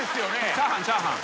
チャーハンチャーハン。